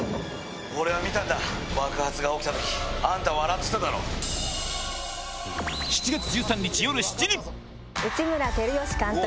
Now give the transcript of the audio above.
・俺は見たんだ爆発が起きた時あんた笑ってただろ・内村光良監督